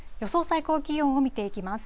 最高気温を見ていきます。